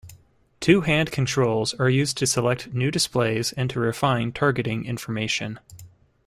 Two hand controls are used to select new displays and to refine targeting information.